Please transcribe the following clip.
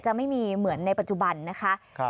จะไม่มีเหมือนในปัจจุบันนะคะ